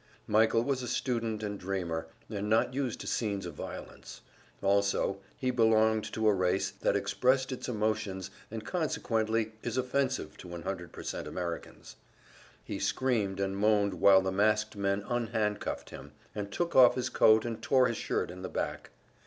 Michael was a student and dreamer, and not used to scenes of violence; also, he belonged to a race which expresses its emotions, and consequently is offensive to 100% Americans. He screamed and moaned while the masked men un handcuffed him, and took off his coat and tore his shirt in the back.